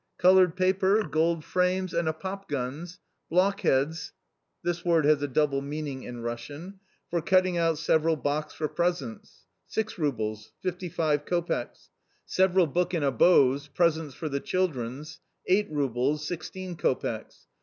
Coloured paper, gold frames, and a pop guns, blockheads [This word has a double meaning in Russian.] for cutting out several box for presents 6 roubles, 55 copecks. Several book and a bows, presents for the childrens 8 roubles, 16 copecks.